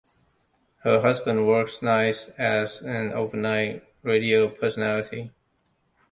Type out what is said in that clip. Her husband works nights as an overnight radio personality.